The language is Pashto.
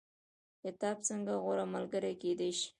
کتاب څنګه غوره ملګری کیدی شي؟